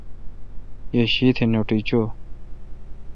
یی شیتھ نوٹی چوی۔